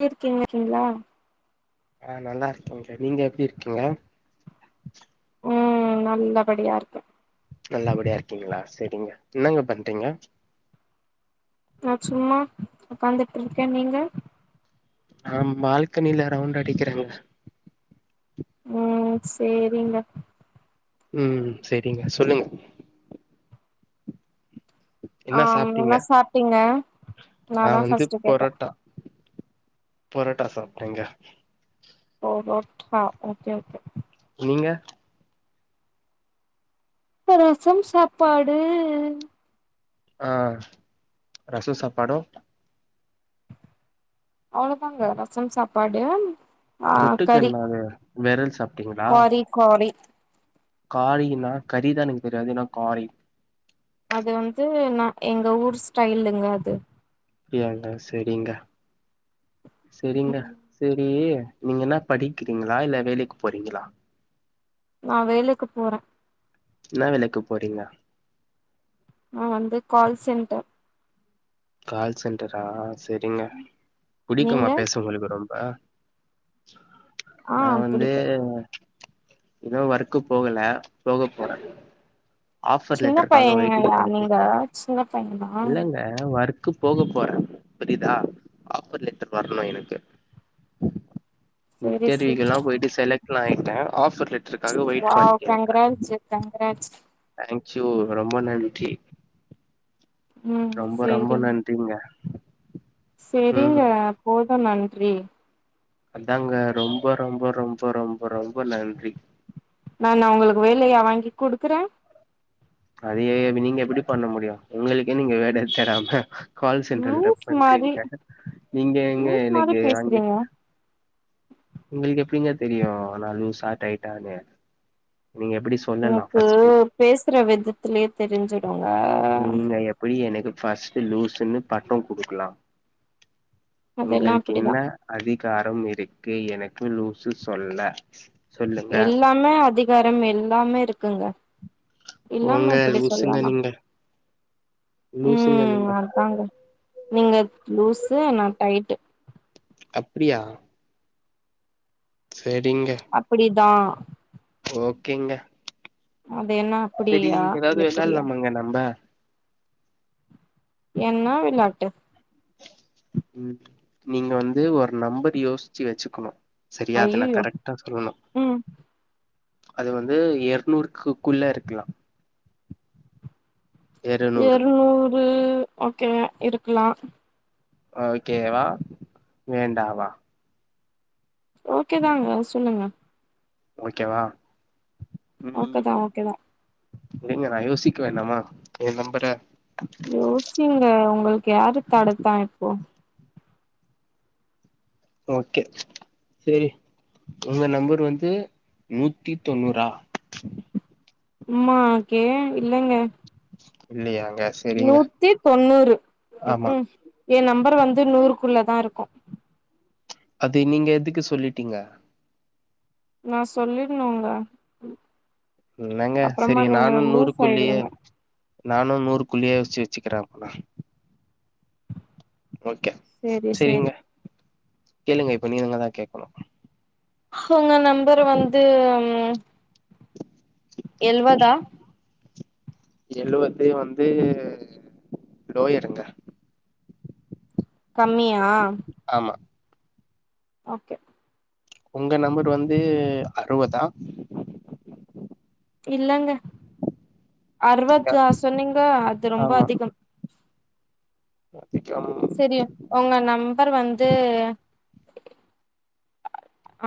[unintelligible] இருக்கீங்கீங்களா ஆ நல்லா இருக்கேங்க நீங்க எப்டி இருக்கீங்க ம் நல்லபடியா இருக்கே நல்லபடியா இருக்கீங்களா செரிங்க என்னங்க பண்றீங்க நா சும்மா உக்காந்துட்ருக்க நீங்க நா பால்கனில ரவுண்ட் அடிக்கிறங்க ம் சேரிங்க ம் செரிங்க சொல்லுங்க ஆ என்ன சாப்டீங்க என்ன சாப்ட்டீங்க நா தா வந்து ஃபர்ஸ்ட் கேட்டே பொரோட்டா பொராட்டா சாப்டீங்க ஓ ஓ ட்ரா ஓகே ஓகே நீங்க இங்க ரசம் சாப்பாடு ஆ ரசம் சாப்பாடும் அவ்ளோதாங்க ரசம் சாப்பாடு ஆ தொட்டுக்க கறி என்னாது வெரல் சாப்ட்டீங்களா காலி காறினா கறிதா எனக்கு தெரியு அது என்னா காறி அது வந்து ந எங்க ஊர் ஸ்டைலுங்க அது ஏங்க செரிங்கா செரிங்க செரி நீங்க என்னா படிக்கிறீங்களா இல்ல வேலைக்கு போறீங்களா நா வேலைக்கு போறே என்ன வேலைக்கு போறீங்க? நா வந்து கால் சென்டர் கால் சென்டரா செரிங்க பூடிக்குமா நீங்க பேச உங்களுக்கு ரொம்ப ஆ நா வந்து புடிக்கு இன்னு ஒர்க்கு போகல போக போறே ஆஃபர் சின்ன லெட்டருக்காக வெயிட்டிங் பையங்களா நீங்க பண்ட்டுருக்க சின்ன பையனா இல்லங்க நா வர்க் போக போறே, புரியுதா ஆஃபர் லெட்டர் வரணு எனக்கு செரி செரி இன்டர்வியூக்கு எல்லா போயிட்டு செலைக்ட் ஆயிட்டே ஆஃபர் லெ ட்டர்க்காக வெயிட் பண்ட்டு இருக்க கன்க்ராஜ் தேங்க்யூ ரொம்ப நன்றி. ம் ரொம்ப ரொம்ப நன்றிங்க ம் சரிங்க போது நன்றி அதாங்க ரொம்ப ரொம்ப ரொம்ப ரொம்ப ரொம்ப நன்றி. நானு உங்களுக்கு வேலையா வாங்கி குடுக்குறே அத ஏய் நீங்க எப்படி பண்ண முடியும் உங்களுக்கே நீங்க வேல தேடாம கால் சென்டர் கிட்ட லூஸ் மாரி பண்றீங்க நீங்க எங்க லூஸ் மாரி இன்னைக்கு வாங்கி பேசுறீங்க உங்களுக்கு எப்டிங்க தெரியு நா லாசா டைட்டானு நீங்க எப்டி சொல்லலா எனக்கு ஃபர்ஸ்ட்டு பேசுற விதத்துலயே தெரிஞ்சுடுங்க புரியு எனக்கு ஃபர்ஸ்ட்டு லூசுன்னு பட்டோ குடுக்கலா அதெல்லா உங்களுக்கு அப்டிதா என்ன அதிகாரம் இருக்கு எனக்கு லூசு சொல்ல சொல்லுங்க எல்லாமே அதிகாரம் எல்லாமே இருக்குங்க போங்க இல்லாம எப்டி லூசுங்க சொல்லலா நீங்க லூசுங்க ம் நீங்க தா அதாங்க நீங்க லூஸு நா டைட்டு அப்டியா செரிங்க அப்படிதான் ஓகேங்க அது என்ன அப்படியா எப்படியா நீங்க நம்ப என்னா விளாட்டு ம் நீங்க வந்து ஒரு நம்பர் யோசிச்சு வச்சுக்கணு சரியா அது நா ஐயயோ கரெக்ட்டா சொல்லணு ம் அது வந்து எர்நூறுக்குக்குள்ள இருக்கலா எரநூறு ஓகே இருக்கலா ஓக்கேவா வேண்டாவா ஓகே தாங்க சொல்லுங்க ஓகேவா ம் ஓகேதா ஓகேதா இல்லைங்க நா யோசிக்க வேண்டாமா எ நம்பற யோசிங்க உங்களுக்கு யாரு தடுத்தா இப்போ ஓக்கே சேரி உங்க நம்பர் வந்து நூத்தி தொண்ணூறா சும்மா கே இல்லங்க இல்லையாங். கேஸ் நூத்தி தொண்ணூறு ம் ம் எ நம்பர் வந்து நூறுக்குள்ளதா இருக்கு அது நீங்க எதுக்கு சொல்லிட்டீங்க நா சொல்லிட்ணுங்க என்னங்க சரி நானும் லூஸ் நூறுக்குள்ளயே ஆயிடுவீங்க நானு நூறு குள்ளியே யோசிச்சி வச்சுக்கிற ஓக்கே சேரி சேரி சேரிங்க கேளுங்க இப்போ நீங்க தா கேக்கணு ஒங்க நம்பர் வந்து எழ்வதா எழுவது வந்து லோயருங்க கம்மியா ஆமா ஓக்கே ஒங்க நம்பர் வந்து அறுவதா இல்லங்க அறுவத்தா சொன்னீங்க அது ரொம்ப அதிகம் மாத்திகாம தெரியு ஒங்க நம்பர் வந்து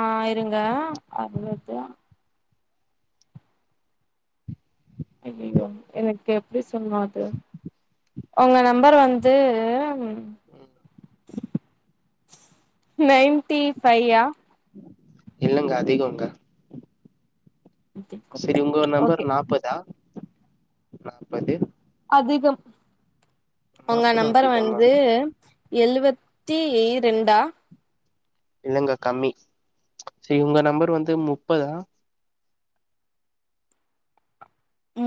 ஆ இருங்க அறுவதா ஐய்யய்யோ எனக்கு எப்டி சொல்ணு அது உங்க நம்பர் வந்து நைன்டி ஃபையா இல்லங்க அதிகம் தா சரி உங்க நம்பர் ஓகே நாப்பதா நாற்பது அதிகம் உங்க நாப்பது நம்பர் அதிகமா வந்து எழுவத்தி ரெண்டா இல்லங்க கம்மி சேரி உங்க நம்பர் வந்து முப்பதா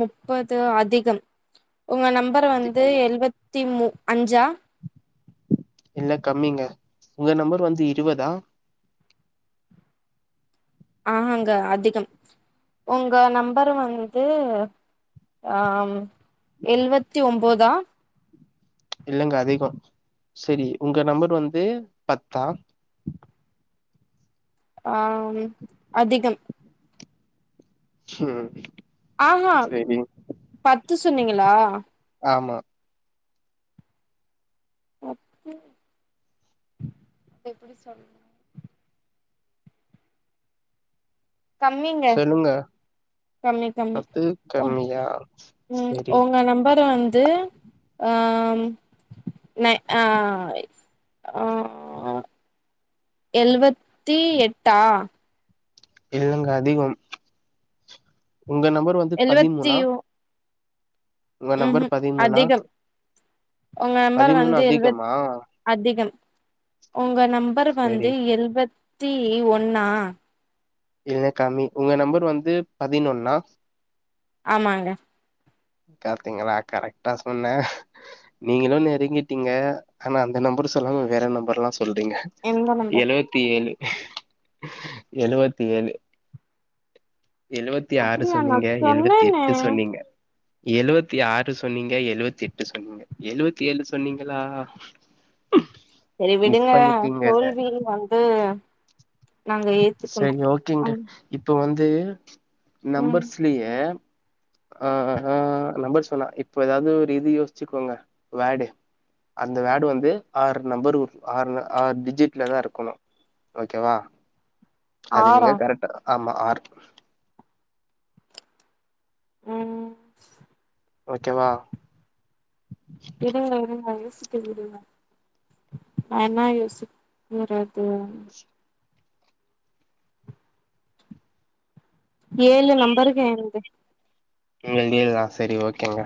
முப்பது அதிகம் உங்க நம்பர் வந்து அதிகமா எழுபத்தி மு அஞ்சா இல்ல கம்மிங்க உங்க நம்பர் வந்து இருவதா ஆஹாங்க அதிகம் உங்க நம்பர் வந்து ஆ இம் எழுவத்தி ஒம்போதா இல்லங்க அதிகம் சரி உங்க நம்பர் வந்து பத்தா ஆ அதிகம் சேரி ஆ ஆ பத்து சொன்னீங்களா ஆமா அது எப்படி சொல்றது கம்மிங்க சொல்லுங்க கம்மி கம்மி பத்து ஓ கம்மியா உம் சரி உங்க நம்பர் வந்து ஆம் நை ஆ ஆ ஆ எழ்வத்தி எட்டா இல்லங்க அதிகம் உங்க நம்பர் வந்து எழுவத்தி பதிமூனா ஒங்க நம்பர் ம்ஹூம் பதிமூனா அதிகம் உங்க நம்பர் வந்து எழுவத் அதிகமா அதிகம் உங்க நம்பர் சரி வந்து எழுவத்தி ஒன்னா இதனே காமி உங்க நம்பர் வந்து பதினொன்னா ஆமாங்க பாத்தீங்களா கரெக்ட்டா சொன்னே நீங்களு நெருங்கிட்டீங்க ஆனா அந்த நம்பர் சொல்லாம வேற நம்பர்லா சொல்றீங்க எந்த நம்பர் எழுவத்தி ஏழு எழுவத்தி ஏழு எழுவத்தி ஆறு அப்டியா நா சொன்னீங்க எழுவத்தி சொன்னேனே எட்டு சொன்னீங்க எழுவத்தி ஆறு சொன்னீங்க எழுவத்தி எட்டு சொன்னீங்க எழுவத்தி ஏழு சொன்னீங்களா ம் செரி விடுங்க தோல்வி வந்து நாங்க ஏத்துக்கணு சரி ஓகேங்க அந் இப்ப வந்து ம் நம்பர்ஸ்லையே ஆ ஆ நம்பர்ஸ் வேணா இப்ப எதாவ்து ஒரு இது யோசிச்சுக்கோங்க வேடு அந்த வேட் வந்து ஆறு நம்பர் ஆறு ஆறு டிஜிட்லதா இருக்கணு ஓகேவா ஆறா அதுங்ளே கரெக்ட் ஆமா ஆர் ம் ஓகேவா இருங்க இருங்க யோசிக்க விடுங்க நா என்ன யோசிக்கிறது ஏழு நம்பர்க என்ந்து உங்கள்து ஏ வா சரி ஓகேங்க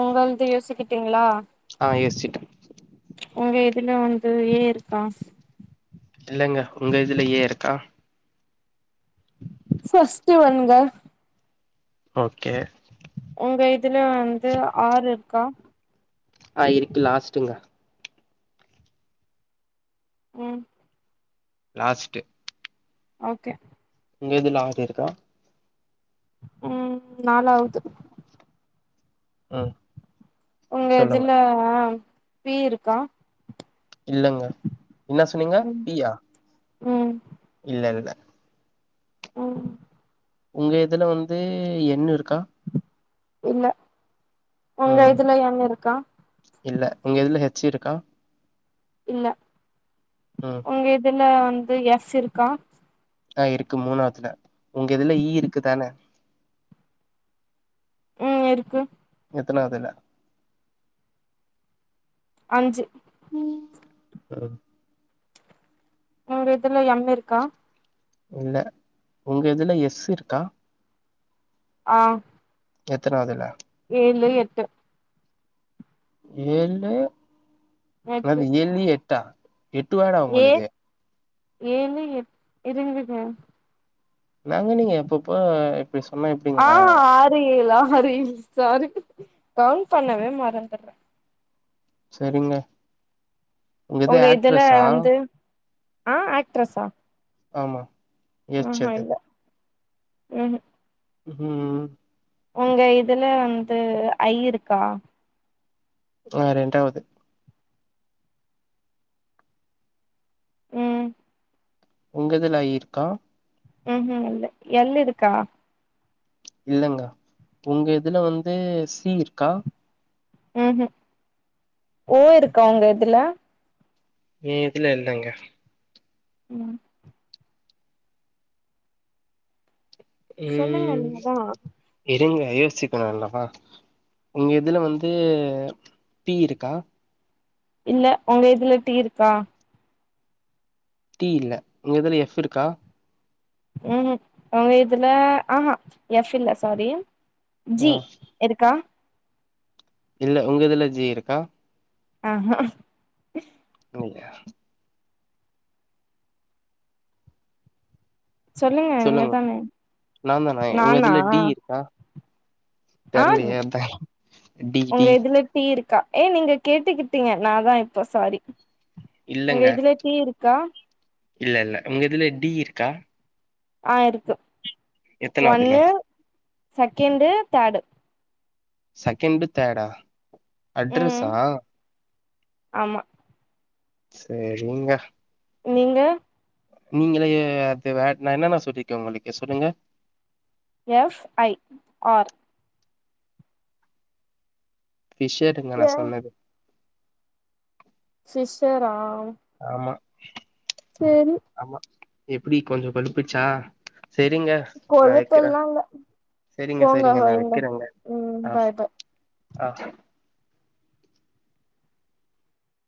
உங்களந்து யோசிக்கிட்டீங்களா ஆ யோஸ்சிட்டோ உங்க இதுல வந்து ஏ இருக்கா இல்லங்க உங்க இதுல எ இருக்கா ஃப்ர்ஸ்ட் வந்த ஓகே உங்க இதுல வந்து ஆர் இருக்கா ஆ இருக்கு லாஸ்ட்டுங்க ம் லாஸ்ட்டு ஓகே இங்க எதுலா [unintelligible] இருக்கா ம் நாலாவ்து ம் உங்க சொல்லுங்க இதுல பி இருக்கா இல்லங்க என்ன சொன்னீங்க ம் பியா ம் இல்ல இதுல ம் உங்க இதுல வந்து என் இருக்கா இல்ல உங்க ம் இதுல என் இருக்கா இல்ல உங்க இதுல ஹெச்சு இருக்கா இல்ல ம் உங்க இதுல வந்து எஸ் இருக்கா ஆ இருக்கு மூனாவத்துல உங்க இதுல ஈ இருக்குதானே ம் இருக்கு எத்தனாவதுல அஞ்சு ம் ஆ உங்க இதுல எம் இருக்கா இல்ல உங்க இதுல எஸ் இருக்கா ஆ எத்தனாதுல ஏழு எட்டு ஏழு எட்டு அது ஏழு எட்டா எட்டு வேடா ஏ உங்களது ஏழு எட் இருந்துங்க என்னங்க நீங்க எப்பப்ப நீங்க சொன்னா எப் ஆ ஆறு ஏழு சரி ஆறு சாரி கவுண் பண்ணவே மறந்தர்றே செரிங்க இது உங்க இதுல ஆக்ட்ரஸா வந்து ஆ ஆக்ட்ரஸ்ஸா ஆமா எஸ் ஆகா அது இல்ல ம் ம் ம் உங்க இதுல வந்து ஐ இருக்கா ஆ ரெண்டாவது ம் உங்க இதுல ஜ இருக்கா ம் ம் இல்ல எல் இருக்கா இல்லங்கா உங்க இதுல வந்து சி இருக்கா ம்ஹ் ஓ இருக்க உங்க இதுல ஏ இதுல இல்லங்க ம் சொல்லுங்க ம் நீங்கதா இருங்க யோசிக்கவேணாமா உங்க இதுல வந்தூ டீ இருக்கா இல்ல உங்க இதுல டீ இருக்கா டீ இல்ல உங்க இதுல எஃப் இருக்கா ம் உங்க இதுல ஆஹா எஃப் இல்ல சாரி ஜி ம் இருக்கா இல்ல உங்க இதுல ஜி இருக்கா ஆஹா நீங்க சொல்லுங்க நீங்க தானே நா தான உங்க நானா இதுல டி இருக்கா ஆன் தெர்லயே அதா டி உங்க டி இதுலப் டீ இருக்கா ஏ நீங்க கேட்டுக்கிட்டீங்க நாதா இப்போ சாரி உங்க இல்லங்க இதுல டீ இருக்கா இல்ல இல்ல உங்க இதுல டி இருக்கா ஆ இருக்கு எத்தனாவதுல ஒன்னு செகண்டு தேடு செகண்டு தேர்டா ம் அட்ரஸ்சா ஆமா செரிங்க நீங்க நீங்களு ஏ அது வே நா என்னன்னா சொல்லிக்ர்கே ஒங்களுக்கு சொல்லுங்க எஃப் ஐ ஆர் ஃபிஷ்யர்டுங்க நா ஏ சொன்னது ஃபிஷ்சரா ஆமா சேரி ஆமா எப்புடி கொஞ்சோ கொளுப்பிச்சா சேரிங்க நா இக்குற பொழப்பெல்லா இல்ல சேரிங்க போங்க சேரிங்க நா வைங்க வைக்கிறேங்க ம் ஆ பாய் பாய் ஆ